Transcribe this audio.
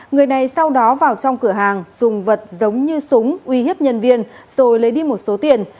người này sau đó vào trong cửa hàng dùng vật giống như súng uy hiếp nhân viên rồi lấy đi một số tiền